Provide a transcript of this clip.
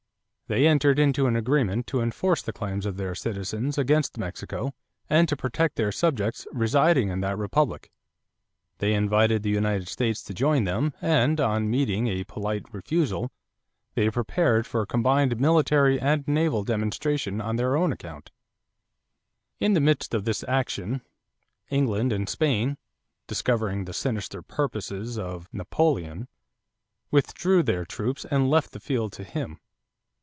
They entered into an agreement to enforce the claims of their citizens against Mexico and to protect their subjects residing in that republic. They invited the United States to join them, and, on meeting a polite refusal, they prepared for a combined military and naval demonstration on their own account. In the midst of this action England and Spain, discovering the sinister purposes of Napoleon, withdrew their troops and left the field to him.